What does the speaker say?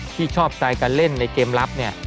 ที่ชอบสไตล์การเล่นในเกมรับเนี่ย